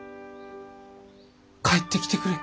帰ってきてくれ。